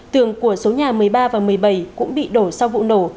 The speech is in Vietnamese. tường của số nhà một mươi ba và một mươi bảy cũng bị đổ sau vụ nổ